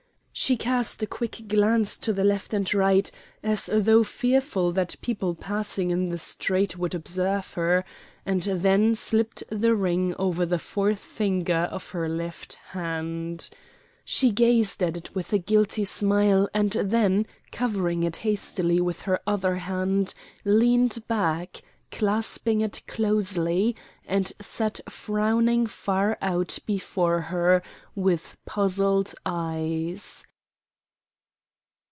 She cast a quick glance to the left and right as though fearful that people passing in the street would observe her, and then slipped the ring over the fourth finger of her left hand. She gazed at it with a guilty smile and then, covering it hastily with her other hand, leaned back, clasping it closely, and sat frowning far out before her with puzzled eyes.